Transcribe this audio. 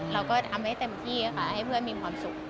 เราก็ทำให้เต็มที่ค่ะให้เพื่อนมีความสุข